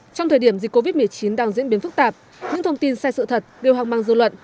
trong thời điểm dịch covid một mươi chín đang diễn biến phức tạp những thông tin sai sự thật đều hoang mang dư luận